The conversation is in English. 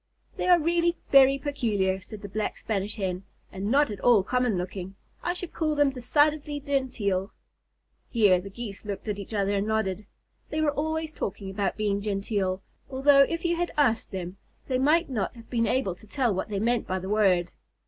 "They are really very peculiar," said the Black Spanish Hen, "and not at all common looking. I should call them decidedly genteel." Here the Geese looked at each other and nodded. They were always talking about being genteel, although if you had asked them, they might not have been able to tell what they meant by the word.